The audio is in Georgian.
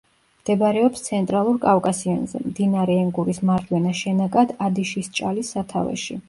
მდებარეობს ცენტრალურ კავკასიონზე, მდინარე ენგურის მარჯვენა შენაკად ადიშისჭალის სათავეში.